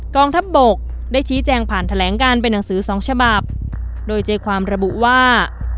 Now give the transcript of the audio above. กองทัพบกได้ชี้แจงผ่านแถลงการเป็นหนังสือสองฉบับโดยใจความระบุว่า